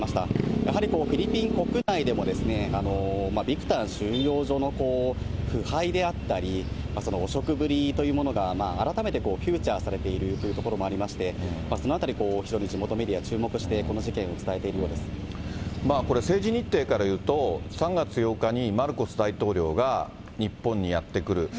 やはりフィリピン国内でも、ビクタン収容所の腐敗であったり、汚職ぶりというものが改めてフューチャーされているというところもありまして、そのあたり、非常に地元メディア注目して、この事これ、政治日程からいうと３月８日にマルコス大統領が日本にやって来る。